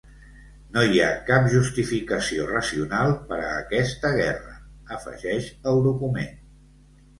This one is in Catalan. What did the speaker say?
“No hi ha cap justificació racional per a aquesta guerra”, afegeix el document.